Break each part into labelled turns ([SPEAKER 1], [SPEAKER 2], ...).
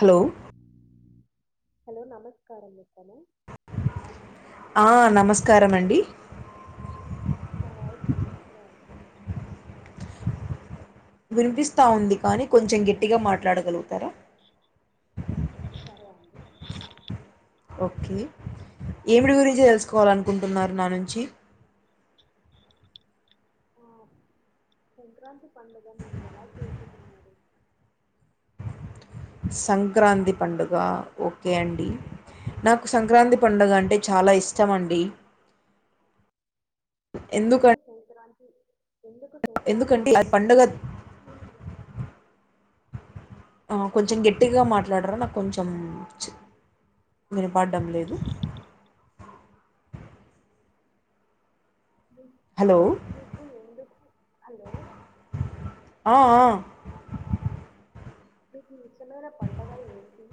[SPEAKER 1] Hello
[SPEAKER 2] hello నమస్కారం చెత్తన
[SPEAKER 1] ఆ నమస్కారం అండి
[SPEAKER 2] నా వాయిస్ వినిపిస్తా ఉందా
[SPEAKER 1] వినిపిస్తా ఉంది కానీ కొంచెం గట్టిగా మాట్లాడగలుగుతారా
[SPEAKER 2] సరే అండి
[SPEAKER 1] ఓకే ఏమిటి గురించి తెలుసుకోవాలనుకుంటున్నారు నా నుంచి
[SPEAKER 2] ఆ సంక్రాంతి పండుగ మీరు ఎలా చేసుకున్నారు
[SPEAKER 1] సంక్రాంతి పండుగ ఓకే అండి నాకు సంక్రాంతి పండుగ అంటే చాలా ఇష్టం అండి
[SPEAKER 2] ఎందుకు
[SPEAKER 1] ఎందుక
[SPEAKER 2] సంక్రా
[SPEAKER 1] ఎందుకంటే అ పండుగ
[SPEAKER 2] అంటే మీకు
[SPEAKER 1] ఆ కొంచెం గట్టిగా మాట్లాడ్రా నాకు కొంచెం చ్ వినపడడం లేదు
[SPEAKER 2] మీ-
[SPEAKER 1] హలో
[SPEAKER 2] మీకు ఎందుకు హలో
[SPEAKER 1] ఆ ఆ ఆ
[SPEAKER 2] అ సలా పండగ ఏంటి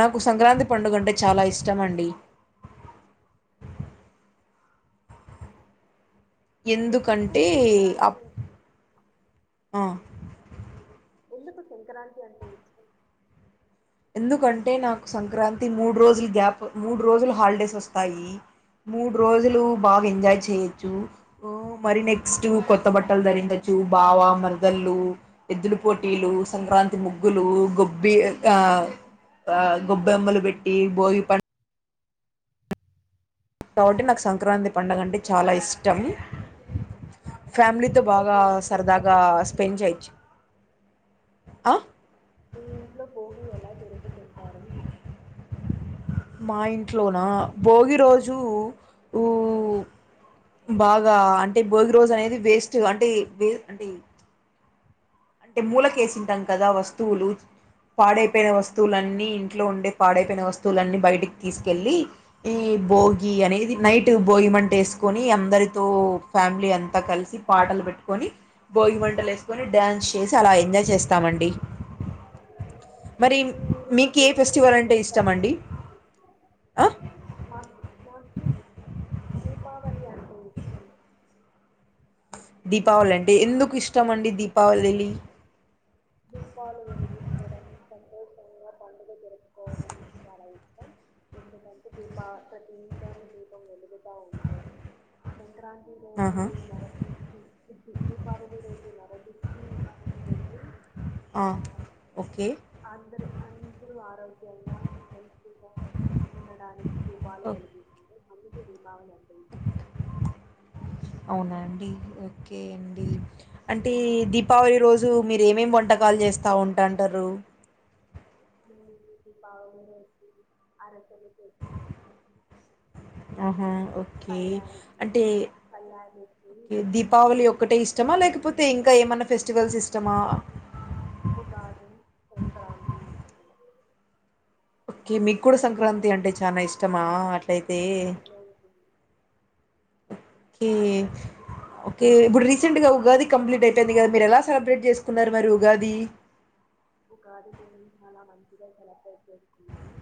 [SPEAKER 1] నాకు సంక్రాంతి పండుగ అంటే చాలా ఇష్టం అండి
[SPEAKER 2] అవు
[SPEAKER 1] ఎందుకంటే ఆప్ ఆ
[SPEAKER 2] ఎందుకు సంక్రాంతి అంటే ఇష్టం
[SPEAKER 1] ఎందుకంటే నాకు సంక్రాంతి మూడు రోజులు గ్యాప్ మూడు రోజులు హాలిడేస్ వస్తాయి మూడు రోజులు బాగా ఎంజాయ్ చేయొచ్చు మరి నెక్స్ట్ కొత్త బట్టలు ధరించచ్చు బావ మల్దళ్ళు ఎద్దుల పోటీలు సంక్రాంతి ముగ్గులు గొబ్బి ఆ గొబ్బెమ్మలు పెట్టి భోగి పం కాబట్టి నాకు సంక్రాంతి పండుగ అంటే చాలా ఇష్టం
[SPEAKER 2] మీ
[SPEAKER 1] ఫ్యామిలీతో
[SPEAKER 2] ఇంట్లో
[SPEAKER 1] బాగా
[SPEAKER 2] భోగి ఎలా
[SPEAKER 1] సరదాగా స్పెండ్
[SPEAKER 2] జరుపుకుంటారు
[SPEAKER 1] చేయొచ్చు ఆ
[SPEAKER 2] మీ ఇంట్లో బోగి ఎలా జరుపుకుంటారు
[SPEAKER 1] మా ఇంట్లోన భోగి రోజు బాగా అంటే భోగి రోజు అనేది వేస్ట్ అంటే వేస్ అంటే అంటే మూలక వేసింటాం కదా వస్తువులు పాడైపోయిన వస్తువులన్నీ ఇంట్లో ఉండే పాడైపోయిన వస్తువులన్నీ బయటకి తీసుకెళ్ళి ఈ భోగి అనేది నైట్ భోగిమంట వేసుకొని అందరితో ఫ్యామిలీ అంతా కలిసి పాటలు పెట్టుకొని భోగిమంటలు వేసుకొని డ్యాన్స్ వేసి అలా ఎంజాయ్ చేస్తామండి మరి
[SPEAKER 2] మీ ఊరిలో
[SPEAKER 1] మీకు ఏ ఫెస్టివల్
[SPEAKER 2] గంగిరెద్దు
[SPEAKER 1] అంటే ఇష్టం
[SPEAKER 2] వస్తుందా
[SPEAKER 1] అండి
[SPEAKER 2] నాకి దీపావలి అంటే ఇష్టం
[SPEAKER 1] దీపావళి అంటే ఎందుకు ఇష్టం అండి దీపావళి
[SPEAKER 2] దీపాళి వెలిగించడం సంతోషంగా పండలు ప ఎందుకంటే దీప ప్రతి నిషాన్ని దీపం వెలుగుత అ సంక్రాంతి రోజు
[SPEAKER 1] ఆహా
[SPEAKER 2] మర దీపావళి రోజు మరజ ఎ ఆ
[SPEAKER 1] ఓకే
[SPEAKER 2] అందరూ అందరూ ఆరోగ్యంగా మల్సీగా ఉండడానికి దీపాలు కలుగుతుారు ప దీ బావు
[SPEAKER 1] అవునా అండి ఓకే అండి అంటే దీపావళి రోజు మీరు ఏమేమి వంటకాలు చేస్తూ ఉంటాంటారు
[SPEAKER 2] మ పా వ ఆరచలు
[SPEAKER 1] ఆహా ఓకే
[SPEAKER 2] పల్లానికి
[SPEAKER 1] అంటే
[SPEAKER 2] పల్లానికి
[SPEAKER 1] ఓకే దీపావళి ఒక్కటే ఇష్టమా లేకపోతే ఇంకా ఏమన్నా ఫెస్ ఫేస్స్టివల్ సిస్టమా
[SPEAKER 2] ఉగాహ క
[SPEAKER 1] ఓకే మీకు కూడా సంక్రాంతి అంటే చాలా ఇష్టమా అట్లయితే
[SPEAKER 2] సంక్రాంతి
[SPEAKER 1] ఓకే ఓకే ఇప్పుడు రీసెంట్గా ఉగాది కంప్లీట్ అయిపోయింది కదా మీరు ఎలా సెలబ్రేట్ చేసుకున్నారు మరి ఉగాది
[SPEAKER 2] ఒకది నేను చాలా మంచిగా సెలప్రేట్ చేసున్నాను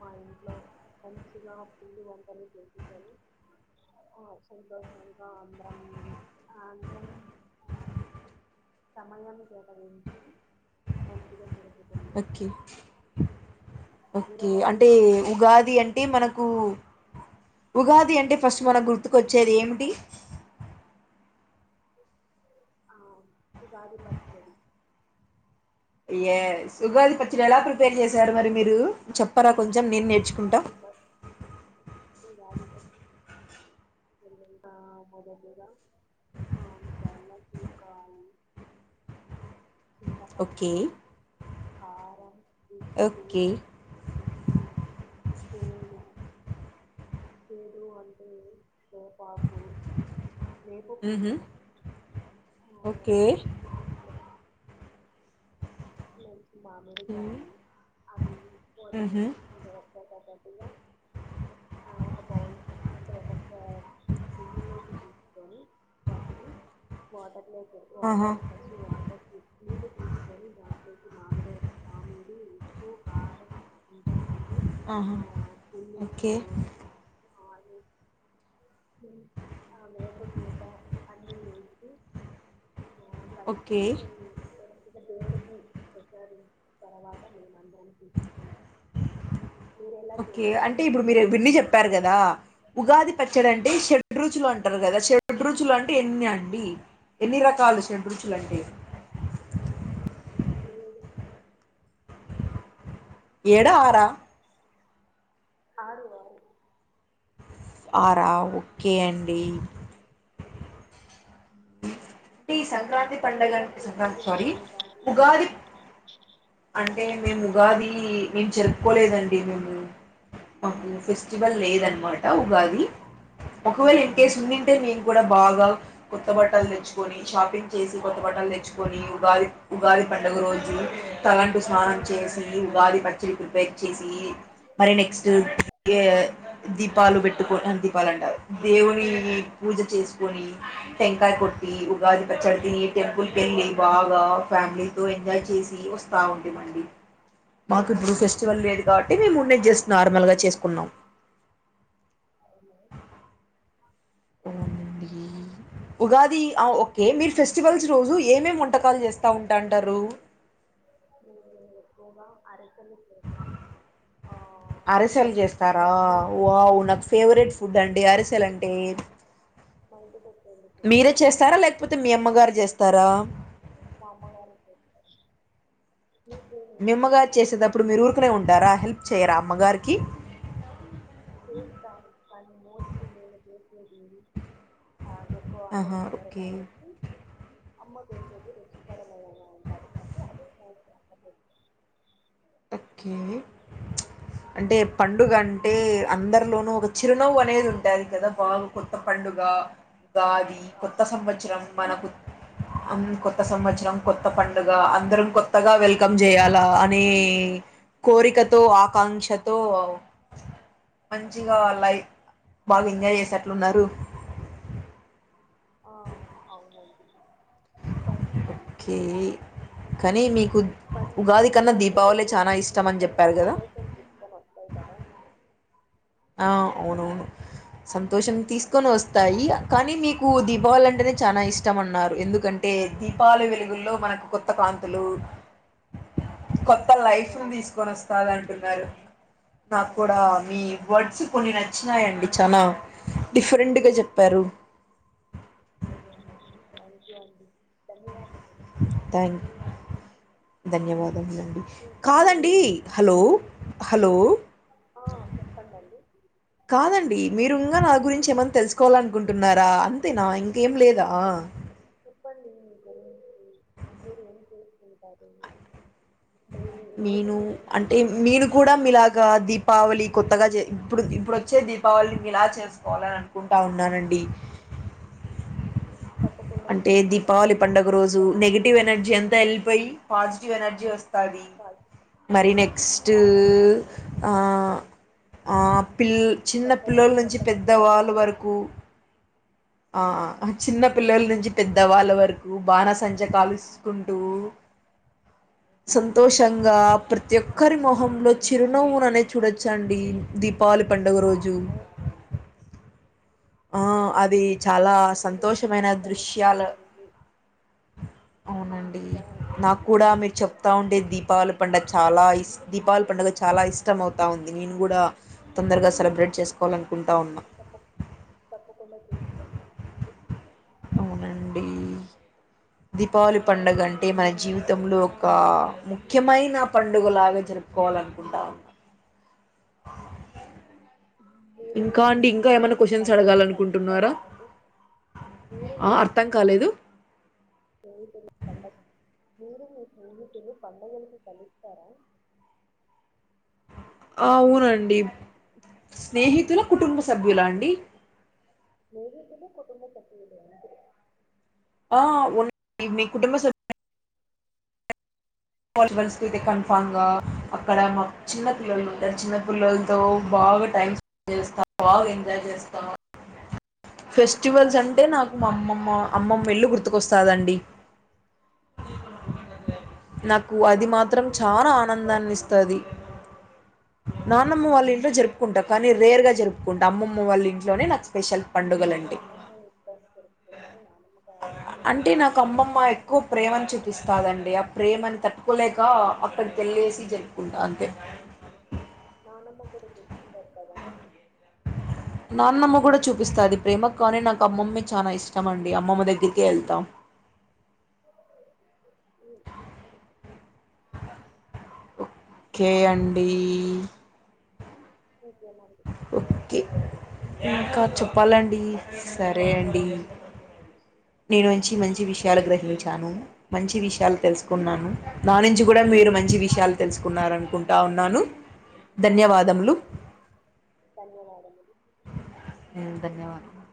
[SPEAKER 2] మా ఇంట్లో మంచిగా పుండి వంటలు చేసుకొని ఆ సంతోషంగా అందరం ఆ అందరం ఆ సమయాన్ని కేటాగించ ఓక
[SPEAKER 1] ఓకే
[SPEAKER 2] మీరు
[SPEAKER 1] ఓకే
[SPEAKER 2] ఎలా
[SPEAKER 1] అంటే
[SPEAKER 2] చేసుకున్నారు
[SPEAKER 1] ఉగాది అంటే మనకు ఉగాది అంటే ఫస్ట్ మనం గుర్తుకొచ్చేది ఏమిటి
[SPEAKER 2] ఆ ఉగాది పచ్చడి
[SPEAKER 1] ఏ సుగాది పచ్చడి ఎలా ప్రిపేర్ చేశాడు మరి మీరు చెప్పరా కొంచెం నేను నేర్చుకుంటా
[SPEAKER 2] గడి ప ఏ గడి ప ఎంత మదదుగా అందల పకాాల చింత
[SPEAKER 1] ఓకే
[SPEAKER 2] పండు ఆ
[SPEAKER 1] ఓకే
[SPEAKER 2] పరు అంటే సేపాకు లేేపు పూట
[SPEAKER 1] ఉహు ఓకే
[SPEAKER 2] మంచి మామిలుతాయి అవి వాటిని
[SPEAKER 1] ఉహు
[SPEAKER 2] అంటే ఒక్కసక్కటిగా ఆ ఒక బౌ అంటే ఒక్క పల్లులోకి తీసుకొని పతు బటలొ
[SPEAKER 1] ఆహా
[SPEAKER 2] వాటర్ పచ్చ వాట ని దాంట్లోకి మామిడి మామిడి ఎక్కువ కారం ఇ వంది
[SPEAKER 1] ఆహా
[SPEAKER 2] ఆ పు
[SPEAKER 1] ఓకే
[SPEAKER 2] ఆ అ ఆ మేరక పూట అన్నీ వేంచి కలిపి
[SPEAKER 1] ఓకే
[SPEAKER 2] దవ ప్రస తర్వాత అ అందని చె
[SPEAKER 1] ఓకే అంటే ఇప్పుడు మీరు ఇవన్న చెప్పారు కదా ఉగాది పచ్చడ అంటే షడు చెడ్రుచులు అంటారు కదా చెడ్రుచులు అంటే ఎన్ని అండి ఎన్ని రకలు చెండ్రుచులు అంటే
[SPEAKER 2] మీరు
[SPEAKER 1] ఎడ ఆరా
[SPEAKER 2] అరు
[SPEAKER 1] ఆరా ఓ కేయండి తీసార్ సంక్రాంతి
[SPEAKER 2] మీరు ఎలా
[SPEAKER 1] పండగనికి సంకంత సారి
[SPEAKER 2] చేసుకున్నారు
[SPEAKER 1] ఉగాది అంటే మేము ఉగాది మేము చెరుపుకోలేదండి మేము మా వల్ లేదనమాట ఉగాది ఒకవేళ ఎంటస్ ఉందింటే మే కూడా బాగా కొత్త బట్టలు తెచ్చుకొని షాపింగ్ చేసి కొత్త బట్టలు తెచ్చుకొని ఉగాది ఉగాది పండుగ రోజు తలంటు స్నానం చేసి ఉగాది పచ్చిరికి బేక్ చేసి మరి నెక్స్ట్ దీపాలు పెట్టుకని దీపాలు అంట దేవుని పూజ చేసుకొని టంకాయ కొట్టి ఉగాది పచ్చడి తిని టెంపుల్ క వెళ్ళి బాగా ఫ్యామిలీ నువ ఇన్వైట్ చీసి బా ఉంటండి మాకు ఇప్పుడు ఫెస్టివల్ లేదు కాబట్టి మేము ఉండే జస్ట్ నార్మల్గా చేసుకున్నాం ఉగాది ఓకే మీరు ఫెస్టివల్స్ రోజు ఏమే వంటకాలు చేస్తాయి తౌంటంటారు
[SPEAKER 2] గవా అర బొ
[SPEAKER 1] అరిసెలు చేస్తారా
[SPEAKER 2] బచ్చలు
[SPEAKER 1] నాకు ఫేవరెట్ ఫుడ్ అండి అరిసెలు అంటే
[SPEAKER 2] మైదా బచ్చలు
[SPEAKER 1] మీరే
[SPEAKER 2] చేయరండి
[SPEAKER 1] చేస్తారా లేకపోతే మీ అమ్మగారు చేస్త త్తర
[SPEAKER 2] మా అమ్మగారే చేస్తారు హ్మ్మ్
[SPEAKER 1] మిమ్మగారు చేసేటప్పుడు మీరు ఊరికనే ఉంటారా హెల్ప్ చేయరాా అమ్మగారికి
[SPEAKER 2] కేసతాం పన్ని మోచ లేద కేస జంది [inaudible] ఆ ఎక్కు అందరూ
[SPEAKER 1] ఆహా
[SPEAKER 2] తినరూ
[SPEAKER 1] ఓకే
[SPEAKER 2] కాబట్టి అమ్మకు రెస్ట్ రమ ఉంట అది పతే అ [inaudible]
[SPEAKER 1] ఓకే అంటే పండుగ అంటే అందరు లో ఒక చిరునవ్వు అనేది ఉంటుంది కదా బాగా కొత్త పండుగ ఉగాది కొత్త
[SPEAKER 2] అవును
[SPEAKER 1] సంవత్సరం మనకు కొత్త సంవత్సరం కొత్త పండుగ అందరం కొత్తగా వెల్కమ్ చేయాలా అని కోరిక తో ఆకాంక్షతో మంచిగా లై బాగా ఎంజాయ్ చేసేట్లున్నారు
[SPEAKER 2] ఆ అవునండి పం
[SPEAKER 1] ఓకే కానీ మీకు
[SPEAKER 2] పం
[SPEAKER 1] ఉగాది కన్నా దీపావళి
[SPEAKER 2] పండుగలు
[SPEAKER 1] చాలా
[SPEAKER 2] మన
[SPEAKER 1] ఇష్టం అని
[SPEAKER 2] జీవితంలో
[SPEAKER 1] చెప్పారు కదా
[SPEAKER 2] సంతోషం తీసుకొని వస్తాయి కదా
[SPEAKER 1] ఆ అవునవును సంతోషం తీసుకొని వస్తాయి కానీ మీకు దీపావళి అంటేనే చాలా ఇష్టం అన్నారు ఎందుకంటే దీపావళి వెలుగుల్లో మనకు కొత్త కాంతులు కొత్త లైఫ్ ను తీసుకొని వస్తది అంటున్నారు నాకు కూడా
[SPEAKER 2] అవునండి
[SPEAKER 1] మీ కొన్ని నచ్చినాయండి చానా డిఫరెంట్గా చెప్పారు
[SPEAKER 2] థ్యాంక్ యు అండి ధన్యవాదాలు
[SPEAKER 1] థాంక్ ధన్యవాద్ ండి
[SPEAKER 2] ఇంకా మీరు
[SPEAKER 1] కాదండి హాలో హలో
[SPEAKER 2] ఆ చెప్పండండి
[SPEAKER 1] కాదండి మీరు ఇంగ నాకు గురించి ఏమన్న తెలుసుకోవాలి అనుకుంటున్నారా అంతేనా ఏం లేదా
[SPEAKER 2] చెప్పండి మీ ఉంటది
[SPEAKER 1] నేను అంటే నేను
[SPEAKER 2] ఉంటారు
[SPEAKER 1] కూడా మీలాగా దీపావళి కొత్తగా చే ఇప్పుడు ఇప్పుడు వచ్చే దీపావళిని ఎలా చేసుకోవాలని అనుకుంటా ఉన్నారండి
[SPEAKER 2] తప్పకుండా
[SPEAKER 1] అంటే
[SPEAKER 2] చూసుకోండి
[SPEAKER 1] దీపావళి పండుగ రోజు
[SPEAKER 2] మంచిగా ఉంటుంది
[SPEAKER 1] నెగిటివ్ ఎనర్జీ ఎంత ఎళ్ళిపోయి పాజిటివ్ ఎనర్జీ వస్తాది
[SPEAKER 2] వాళ్ళు
[SPEAKER 1] మరి నెక్స్ట్
[SPEAKER 2] అవునండి అది నిజమే
[SPEAKER 1] ఆ ఆ పిల్ల్ చిన్న
[SPEAKER 2] కొత్తగా
[SPEAKER 1] పిల్లొల నుంచి
[SPEAKER 2] కొత్తగా జాబులు
[SPEAKER 1] పెద్దవాళ్ళు
[SPEAKER 2] కూడా
[SPEAKER 1] వరుకు ఆ చిన్న పి పిల్లల నుంచి పెద్దవాళ్ళ వరుకు బాణసంచ కాలుసుకుంటూ సంతోషంగా ప్రతి ఒక్కరి మొహంలో చిరునవ్వులు అనేది చూడొచ్చండి దీపావళి పండు డగ రోజు
[SPEAKER 2] అవును
[SPEAKER 1] ఆ అద ది చాలా
[SPEAKER 2] ప్ర-
[SPEAKER 1] సంతోషమైన
[SPEAKER 2] స్నేహితులు
[SPEAKER 1] దృశ్యాలు
[SPEAKER 2] కలుస్తారు
[SPEAKER 1] అవునండి
[SPEAKER 2] మంచిగా
[SPEAKER 1] నాకు కూడా మీరు చెప్తా ఉండే దీపావళి పండగ చాలా ఇష్ట దీపావళి పండుగ చాలా ఇష్టంమవుతా ఉంది నేను కూడా తొందరగా సెలబ్రేట్ చేసుకోవాలను కుంటా ఉన్నా
[SPEAKER 2] తప్ప తప్పకుండా చేసుకోండి
[SPEAKER 1] అవునండి దీపావళి పండగ అంటే మన జీవితంలో ఒక
[SPEAKER 2] మీ-
[SPEAKER 1] ముఖ్యమైనా పం ండుగులాగా జరుపుకోవాలనుకుంటా ఉన్నా
[SPEAKER 2] మీరు
[SPEAKER 1] ఇంకా
[SPEAKER 2] మీ
[SPEAKER 1] అండి ఇంకా ఏమైనా
[SPEAKER 2] స్నేహితులు
[SPEAKER 1] క్వొశ్చన్స్ అడగాల
[SPEAKER 2] పండగకి
[SPEAKER 1] అనుకుంటున్నారా
[SPEAKER 2] కలుస్తారా అండి మీరు
[SPEAKER 1] ఆ
[SPEAKER 2] మీ
[SPEAKER 1] అర్థం కాలేదు
[SPEAKER 2] మీరు మీ స్నేహితులు పండుగలకి కలుస్తారా
[SPEAKER 1] అవునండి స్నేహితుల కుటుంబ సభ్యుల అండి
[SPEAKER 2] స్నేహితులు కుటుంబ సభ్యులు [inaudible]
[SPEAKER 1] ఆ ఉన కుటుంబ స [unintelligible] కన్ఫామ్ గా అక్కడ మా చిన్న పిల్లలు ఉంటారు చిన్న పిల్లలతో బాగా టైం చేస్తాం బాగ ఎంజాయ్ చేస్తాం ఫెస్టివల్స్ అంటే నాకు మాఅమ్మమ అమ్మమ్మ ఇళ్ళు గుర్తుకొస్తాదండి
[SPEAKER 2] అవును
[SPEAKER 1] నాకు అది
[SPEAKER 2] నానమ్మ
[SPEAKER 1] మాత్రం
[SPEAKER 2] ఇంట్లో
[SPEAKER 1] చానా ఆనందాన్ని
[SPEAKER 2] చేసుకోరా మీరు
[SPEAKER 1] ఇస్తాది నాన్నమ్మ వాళ్ళ ఇంట్లో జరుపుకుంటా కానీ రెర్ గా జరుపుకుంటావ అమ్మమ్మ వాళ్ళ ఇంట్లోనే నాకు స్పెషల్
[SPEAKER 2] ఎందుకండి
[SPEAKER 1] పండుగలండి
[SPEAKER 2] అమ్మమ్మ ఇంట్లోనే జరుపుకుంటారు నానమ్మ గారి ఇంట్లో ఎందుకు
[SPEAKER 1] అంటే నాకు
[SPEAKER 2] జరుపుకోరు
[SPEAKER 1] అమ్మమ్మ ఎక్కువ ప్రేమను చూపిస్తాదండి ప్రేమని తట్టుకోలేక అక్కడికి వెళ్లేసి జరుపుకుంటా అంతే
[SPEAKER 2] నానమ్మ కుడుతు సకదా [unintelligible]
[SPEAKER 1] నాన్నమ్మ కూడా చూపిస్తాది ప్రేమ కానీ నాకు అమ్మమ్మే చాలా ఇష్టం అండి అమ్మమ్మ దగ్గరికిే వెళ్తాం
[SPEAKER 2] అ
[SPEAKER 1] ఓకే అండి
[SPEAKER 2] ఇంకేమండి
[SPEAKER 1] ఓకే ఇంకా చెప్పాలండి సరే అండి మీ నుంచి
[SPEAKER 2] ఆ,
[SPEAKER 1] మంచి విషయాలు
[SPEAKER 2] సరే అండి
[SPEAKER 1] గ్రహించాను మంచి విషయాలు తెలుసు న్నాను దా నుంచి కూడా మీరు మంచి విషయాలు
[SPEAKER 2] సరే.
[SPEAKER 1] తెలుసుకున్నారు అనుకుంట ఉన్నాను ధన్యవాదములు
[SPEAKER 2] అవునండి ధన్యవాదములు
[SPEAKER 1] ధన్యవాదాలు